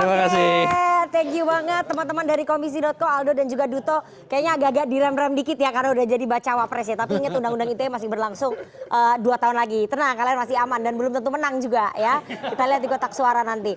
oke thank you banget teman teman dari komisi co aldo dan juga duto kayaknya agak agak direm rem dikit ya karena udah jadi baca wapres ya tapi inget undang undang ite masih berlangsung dua tahun lagi tenang kalian masih aman dan belum tentu menang juga ya kita lihat di kotak suara nanti